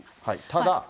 ただ。